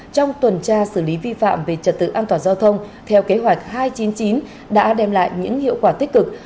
trong tuần tra xử lý vi phạm về trật tự an toàn giao thông theo kế hoạch hai trăm chín mươi chín đã đem lại những hiệu quả tích cực